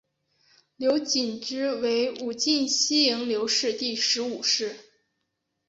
刘谨之为武进西营刘氏第十五世。